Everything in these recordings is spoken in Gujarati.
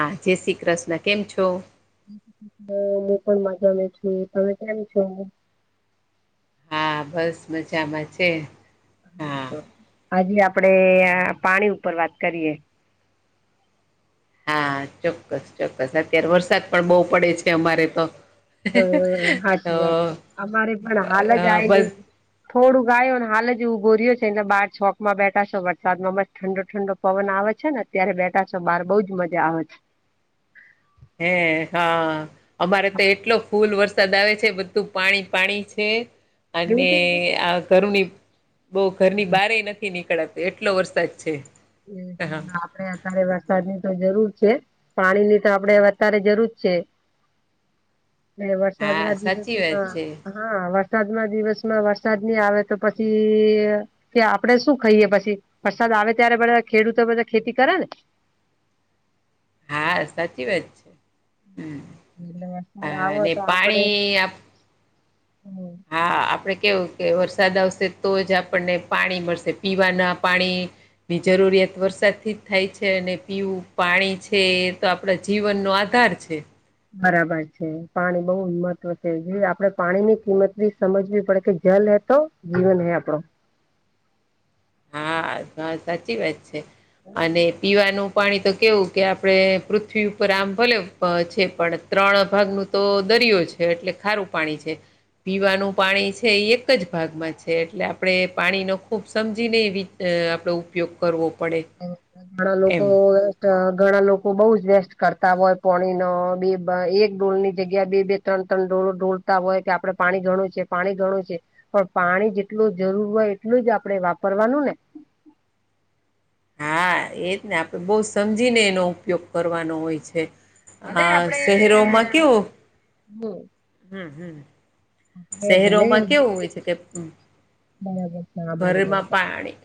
હા જય શ્રી કૃષ્ણ કેમ છો? હું પણ મજામે છું તમે કેમ છો? હા બસ મજામાં છે. હા આજે આપડે પાણી ઉપર વાત કરીએ. હા ચોક્કસ ચોક્કસ. અત્યારે વરસાદ પણ બહુ પડે છે અમારે તો. હ તો સાાચી વાત છે. અમારે પણ હાલ અ, જ બસ આયલું. થોડું આયો અને હાલ જ ઉભો રહ્યો છે. ને બહાર ચોકમાં બેઠા છે. વરસાદમાં મસ્ત ઠંડો ઠંડો પવન આવે છે ને અત્યારે બેઠા છો. બહાર બહુજ મજા આવે છે. હેં હા અમારે તો એટલો ફૂલ વરસાદ વરસાદ આવે છે. બધું પાણી પાણી છે એવું અને થઈ આ ઘરની બહુ ઘરની બાર ય નથી નીકળાતું એટલો વરસાદ છે. હા હ આપ. [inaudible] આપણે વરસાદ ની તો જરૂર છે. પાણી ની તો આપણે વધારે જરૂર છે. એ વરસાદ હા ના સાચી વાત દિવસમાં. છે હા વરસાદમાં દિવસમાં વરસાદ નહી આવે તો પછી! કે આપડે શું ખાઈએ પછી? વરસાદ આવે ત્યારે બધા ખેડૂતો બધા ખેતી કરે ને હા સાચી વાત છે. હમ એટલે વરસાદ હા આવો અને પાણી હમ. હા આપણે કેવું કે વરસાદ આવશે તો જ આપણને પાણી મળશે. પીવાના પાણી! જરુરીયાત વરસાદ થી જ થાય છે, ને પીવું પાણી છે. એ તો આપ આપણા જીવનનો આધાર છે. બરાબર છે. પાણી બહુ જ મહત્વ છે જે આપડે પાણીની કિંમત બી સમજવી પડે કે જલ હે તો જીવન હે આપણો. હા હા સાચી વાત છે અને પીવાનું પાણી તો કેવું! કે આપણે પૃથ્વી ઉપર આમ, ભલે છે પણ ત્રણ ભાગનું તો દરિયો છે, એટલે ખારું પાણી છે. પીવાનું પાણી છે એ એક જ ભાગમાં છે એટલે આપણે પાણી નો ખુબ સમજ સમજી ને આપડે ઉપયોગ કરવો પડે. ઘણા લોકો એમ. ઘણા લોકો બહુ જ વેસ્ટ કરતા હોય પોણી નો બી એક ડોલ ની જગ્યા બે બે તણ-તણ ડોલું ઢોળતા હોય કે આપડે પાણી ઘણું છે. પાણી ઘણું છે. પણ પાણી જેટલું જરૂર હોય એટલું જ આપણે વાપરવાનું ને! હા એજ ને આપણે બહુ સમજીને એનો ઉપયોગ કરવાનો હોય છે. ભલે હા આપડે શહેરોમાં કેવુ. હમ. હમ હમ. ભલે શહેરોમાં કેવું હોય છે કે [inaudible] ભરે માં પાણી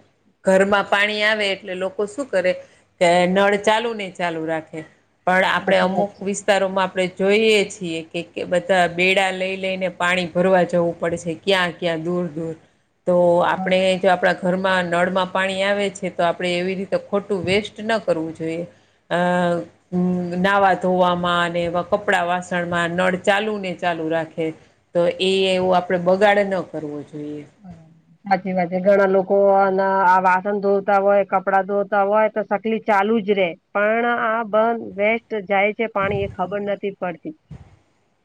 ઘરમાં પાણી આવે એટલે લોકો શું કરે? કે નળ ચાલુ ને ચાલુ રાખે. પણ આપણે સાચી વાત અમુક.... છે વિસ્તારોમાં આપણે જોઈએ છીએ. કે બધા બેડા લઈ લઈને પાણી ભરવા જવું પડે છે. ક્યાં, ક્યાં દૂર દૂર તો! આપણે જો આપણા ઘરમાં નળમાં પાણી આવે છે. તો આપણે એવી રીતે વેસ્ટ ન કરવું જોઈએ. અ... હમ નાહવા ધોવામાં અને કપડા વાસણ માં નળ ચાલુ ને ચાલુ રાખે છે. તો એ એવું આપડે બગાડે ન કરવો જોઈએ. હ. સાચી વાત છે ઘણા લોકો આ વાસણ ધોતા હોય કપડાં ધોતા હોય તો સકલી ચાલુ જ રે. પણ આ બંધ વ તો જાય છે પાણી એ ખબર નથી, પડતી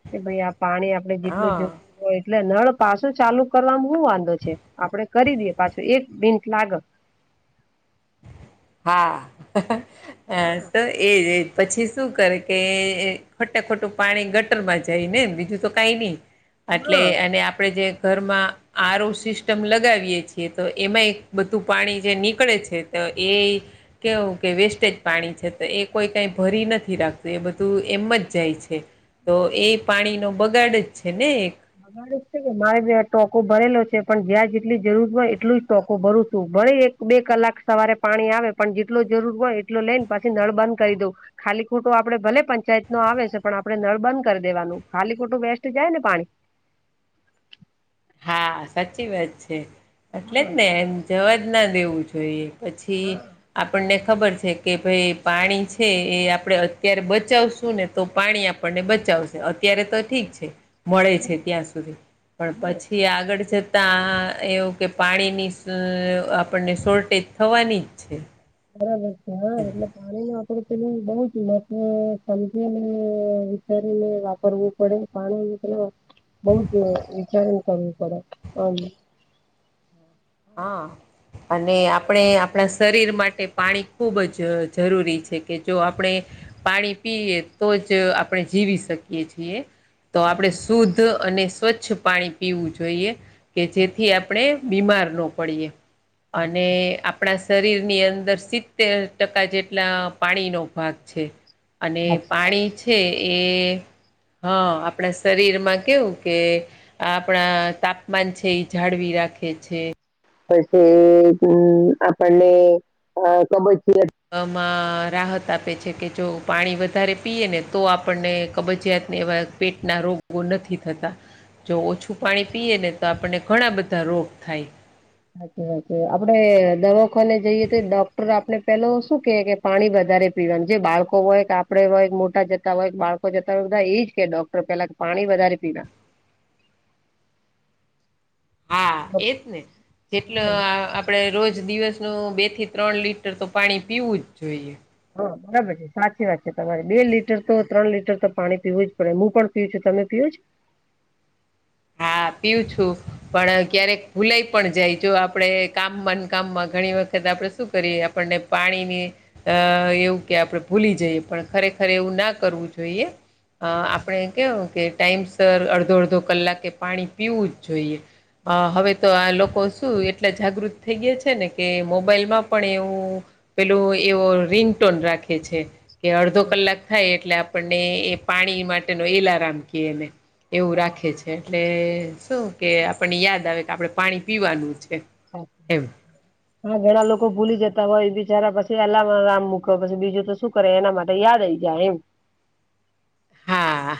કે ભાઈ આ પાણી આપડે જેટલું હા જોય. એટલે નળ પાછું ચાલુ કરવાવામાં શું વાંધો છે, આપડે દઈએ પાછું મિનટ લાગે. [unintelligible] એ પછી શું કરે કે ખટા ખટું પાણી ગટર માં જાય નેને બીજું તો કઈ નહી, એટલે હા અને આપણેે જે ઘરમાં આરો ઓ સિસ્ટમ લગાવીએ છીએ તો એમાં એક બધું પાણી જે નીકળે છે તો એ કેવું કે વેસ્ટેજ પાણી છે તો એ કોઈ કઈ ભરી નથી રાખતું એ બધું એમ જ જાય છે. તો એ પાણીનોો બગાડ જ છે ને. બગડ જ છે કે મારે બ આ ટોકો ભરેલો છે પણ જ્યાં જેટલી જરૂર હોય એટલું જ ટાકો ભરું છું ભરે એક બે કલાક સવારે પાણી આવે પણ જેટલો જરૂર હોય એટલો લઈને પછી નળ બંધ કરી દઉં. ખાલી ખોટું આપડે ભલે પંચાયત નો આવે છે પણ આપણે નળ બંધ કરી દેવાનું ખાલી ખોટું બેસ્ટ જાય ને પાણી. હા સાચી વાત છે, એટલે જ હા ને જવા જ ન લેવું જોઈએ પછી હા આપણને ખબર છે કે પાણી છે એ આપણેે અત્યારે બચાવશું ને. તો પાણી આપણને બચાવશે અત્યારે તો ઠીક છે, મળે છે ત્યાં સુધી, પણ પછી જે આગળ જતાં એવું કે પાણીની આપણને શોર્ટેજ થવાની જ છે. બરાબ એ એમ [unintelligible] પાણીને વાપરું તેનું બહુ જ મહત્ સમજી ને વિચારી ને વાપરવું પડ પાણી જેતલા બૌ જ વિચારણ કરવી પડે. હા. અને આપણે આપણા શરીર માટે પાણી ખુબ જ જરૂરી છે કે જો આપણે પાણી પીએ તો જ આપણે જીવી શકીએ છીએ. તો આપણે શુદ્ધ અને સ્વચ્છ પાણી પીવું જોઈએ, કે જેથી આપણે બીમાર ન પડીએ, અને આપણા શરીર ની અંદર સિત્તેર ટકા જેટલા પાણીનો જ ભાગ છે. સાચી વાત પાણી છે એ હા આપણા શરીરમાં કેવું કે આપણા તાપમાન છે એ જાળવી રાખે છે. પછી હમ આપણને કબજિયાત રાહત આપે છે કે જો પાણી વધારે પીએ ને તો આપણને કબજીયાતને એવા પેટના રોગો નથી થતા. જો ઓછું પીએ ને તો આપણને ઘણા બધા થાય. સાચ સાચ આપડે દવાખાને જઈએ તો ડોક્ટર આપડણે પેલો શું કે કે પાણી વધારે પીવાનું જે બાળકો હોય કે આપે હોય મોટા જતા હોય બાળકો જતા હોય બધા એજ કે ડોક્ટર પેલા પાણી વધારે પીવા. હા એજ ને, જેટલે આપડણે રોજ દિવસનું બે થી ત્રણ લીટર તો પાણી પીવું જ જોઈએ. હા બરાબર છે સાચી વાત છે તમારે બે લીટર તો ત્રણ લીટર તો પાણી પીવું જ પડે હું પણ પીવ છું તમે પીવું જ છું, તમે પીવો છો? [inaudible] પીવુ છું, પણ ક્યારેક ભુલાઈ પણ જાય જો આપડે કામ માં ને કામમાં ઘણી વખત આપડે શું કરી આપણને પાણીની અ એવું કે ભૂલી જઈએ પણ ખરેખર એવું ન કરવું જોઈએ. અ આપણે કેવું કે ટાઈમ સર અડધો અડધો કલાક કે પાણી પીવું જોઈએ હા હવે આ લોકો શું એટલા થઈ ગયા છે ને કે માં પણ એવું પેલું એવો રિંગ ટોન રાખે છે. કે અડધો કલાક થાય એટલે આપણને એ પાણી માટેનો એલારમ કને એવું સાચી રાખે વાત છે એટલે શું કે આપણને યાદ આવે કે આપણે પાણી પીવાનું છે. એમ [inaudible] હા ઘણા લોકો ભૂલી જતા હોય બિચારા પછી એલારામ મૂક પછી બીજું તો શું કરે એના માટે યાદ આવી જાય એમ. હા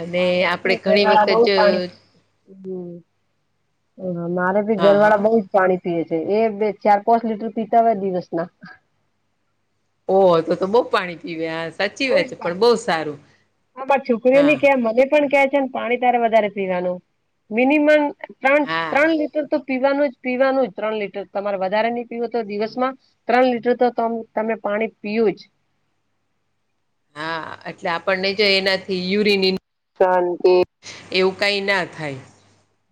અને મારે બી આપણે ઘણી ઘરવાળા બઉ વખત પાણી હમ હ મારે ભી હા ઘરવાળા હા બઉ પાણી પીએ છે એ બે ચાર પાંચ લીટર પીતા હોય દિવસના. ઓહ તો તો બહુ પાણી પીવે સાચી વાત છે પણ બહુ સારું. આ મારા હા છોકરીઓની કે મને પણ કેહે છે ને પાણી તારે વધારે પીવાનું. મિનિમમ ત્રણ હા ત્રણ લીટર તો પીવાનું જ પીવાનું જ ત્રણ લીટર તમારે વધારે નહી પીવો તો દિવસમાં. ત્રણ લીટર તો તમે પાણી પીવુ જ. હા એટલે આપણને જે એનાથી યુરીન એવું કઈ ના થાય,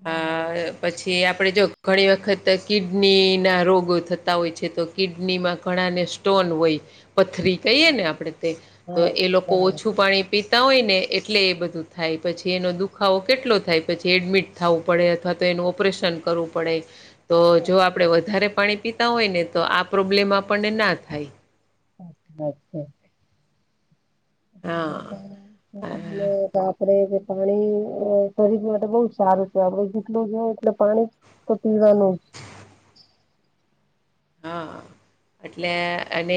બરાબર છે. આ પછી જે આપણે જો ઘણી વખત કિડની ના રોગ થતા હોય છે તો કિડની માં ઘણા ને સ્ટોન હોય, પથરી કહીએ ને આપણેે તે તો હા એ લોકો બરાબર. ઓછું પાણી પીતા હોય ને એટલે એ બધું થાય પછી એનો દુખાવો કેટલો થાય પછી એડમિટ થાવું પડે અથવા તો એનું ઓપરેશન કરવું પડે. તો જો સાચી વાત. આપણે વધારે પાણી પીતા હોય ને તો આ પ્રોબ્લેમ આપણને ના થાય. અચછા અચ્છા. હા. [unintelligible] અ હા કે પાણી શરીર બહુ જ છે આપડ જેટલું જ એટલે પાણી પીવાનું. હા એટલે અને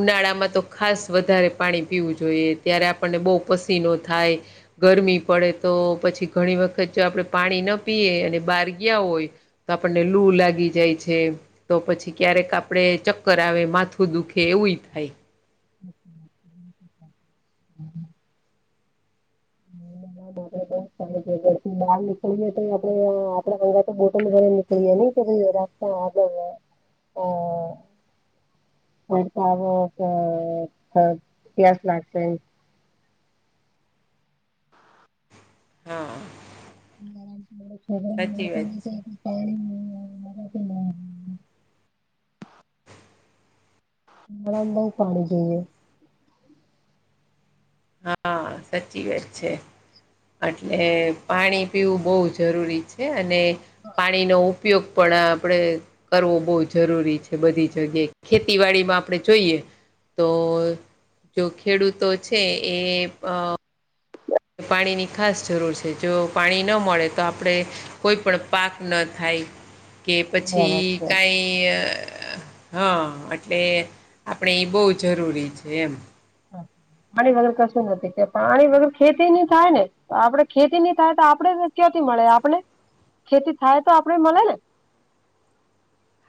ઉનાળામાં તો ખાસ વધારે પાણી પીવું જોઈએ ત્યારે આપણને બહુ પસીનો થાય. ગરમી પડે તો વખત જો આપણે પાણી ના પીએ અને બહાર ગયા હોય. તો આપણને લૂ લાગી જાય છે તો પછી ક્યારેક આપણે ચક્કર આવે માથું દુખે એવું થાય. બહાર નીકળને તો આપડે આપે ગંગા તો બોટલ લઈ નીકળીએ નહી કે ભ રાસ્તા આ હ. અ તો પસ લાગશે. હા. છે [unintelligible] સાચી વાત છે. [unintelligible] ના ના બહુ પાણી જોઈએ. હા સાચી વાત છે. એટલે પાણી પીવું બહુ જરૂરી છે અને પાણીનો ઉપ ઉપયોગ આપણે કરવો બહુ જરૂરી છે બધી જગ્યાએ. ખેતીવાડીમાં આપણે જોઈએ. તો જો ખેડૂતો છે એ અ પાણી ની ખાસ જરૂર છે. જો પાણી ન મળે તો આપડે. કોઈ પણ પાક ન થાય કે પછી બરાબર છે. કઈ એ હા એટલે આપણે એ બહુ જરૂરી છે એમ. પાણી વગર કશું નથી, કે પાણી વગર ખેતી ન થાય ને. આપડે ખેતી નહી થાય તો આપણેને કયોથી મળે, આપણે ખેતી થાય તો આપણે મળે ને.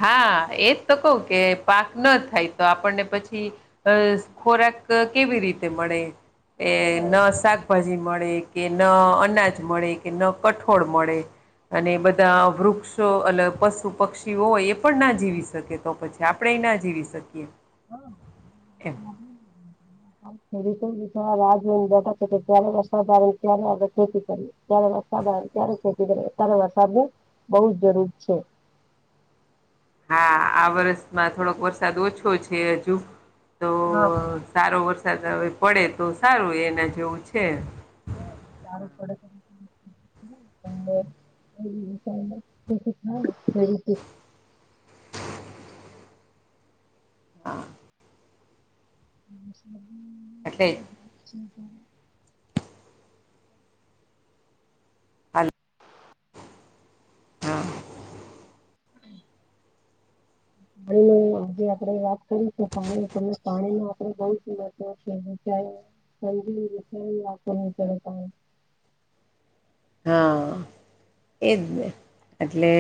હા એજ તો કવ કે પાક ન થાય તો આપણને પછી અ ખોરાક કેવી રીતે મળે, એ ન શાક શાકભાજી મળે કે ન અનાજ મળે કે ન કઠોળ મળે. અને બધા વૃક્ષો અને પશુ પક્ષી એ પણ ના જીવી શકે તો પછી આપણે ના જીવી શકીએ એમ. આ વર્ષે તો બધા રાહ જોતા છે કે, ક્યારે રસાદાર આવે ને ક્યારે આપણે ખેતી કરીએ. જ્યારે વરસાદ આવે ત્યારે ખેતી કરીએ ત્યારે વરસાદની, બહુજ જરૂર છે. આ વર્ષમાં થોડોક વરસાદ ઓછો છે, હજુ, તો હા. સારો વરસાદ હવે પડે તો સારું એના જેવું છે. હા સારું પડે. [unintelligible] હા. હ વરસાદ આવે એટલે. વરસાદ આવે હલ [unintelligible] હા. હ [unintelligible] હલો આજે આપડે વાત કરીશું તો પાણી આપણે પાણીની [unintelligible] હા, એજ ને એટલે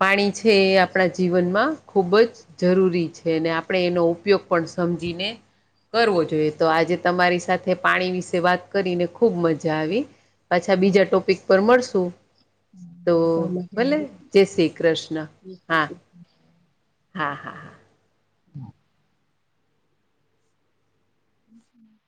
પાણી છે એ આપણા જીવનમાં ખુબ જ જરૂરી છે. અને આપણે એનો ઉપયોગ પણ સમજીને કરવો જોઈએ તો આજે તમારી સાથે પાણી વિશે વાત કરીને ખુબ મજા આવી. પાછા બીજા ટોપિક પર મળશું તો મને પણ મજા ભલે આવી જય શ્રી કૃષ્ણ, હા. હા હા હા. હમ હમ.